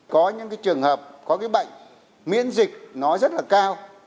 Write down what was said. có những cái trường hợp có cái bệnh miễn dịch nó rất là cao